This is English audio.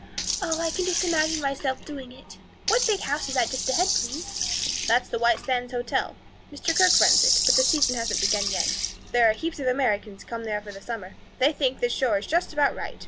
Oh, I can just imagine myself doing it. What big house is that just ahead, please?" "That's the White Sands Hotel. Mr. Kirke runs it, but the season hasn't begun yet. There are heaps of Americans come there for the summer. They think this shore is just about right."